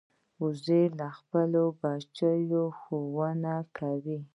وزې خپل کوچنیان ښوونه کوي